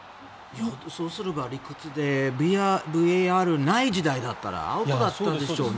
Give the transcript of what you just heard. そうすれば理屈でＶＡＲない時代だったらアウトだったんでしょうね。